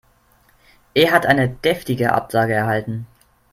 Er hat eine deftige Absage erhalten.